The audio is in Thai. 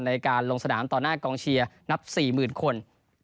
ในการลงสนามต่อหน้ากองเชียร์นับ๔๐๐๐คน